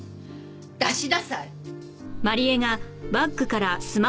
出しなさい。